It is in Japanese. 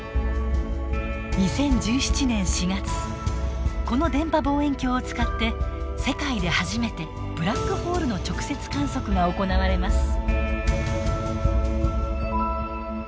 ２０１７年４月この電波望遠鏡を使って世界で初めてブラックホールの直接観測が行われます。